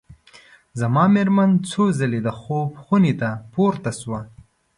زما مېرمن څو ځلي د خوب خونې ته پورته شوه.